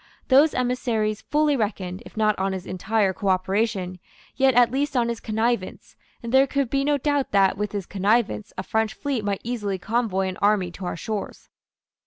Those emissaries fully reckoned, if not on his entire cooperation, yet at least on his connivance; and there could be no doubt that, with his connivance, a French fleet might easily convoy an army to our shores.